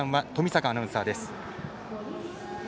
冨坂アナウンサーです。